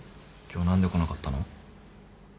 今日何で来なかったの？